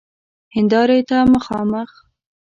هیندارې ته مخامخ